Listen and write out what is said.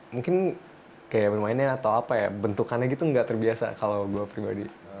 mungkin kayak bermainnya atau apa ya bentukannya gitu nggak terbiasa kalau gue pribadi